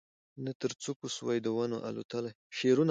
نه تر څوکو سوای د ونو الوتلای